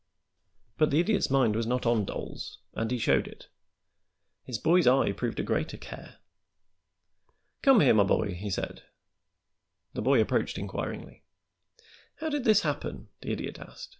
But the Idiot's mind was not on dolls, and he showed it. His boy's eye proved a greater care. "Come here, my boy," he said. The boy approached inquiringly. "How did this happen?" the Idiot asked.